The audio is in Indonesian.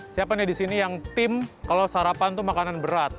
siapanya disini yang tim kalau sarapan itu makanan berat